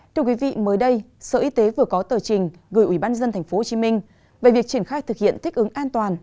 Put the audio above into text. thưa quý vị mới đây sở y tế vừa có tờ trình gửi ủy ban dân tp hcm về việc triển khai thực hiện thích ứng an toàn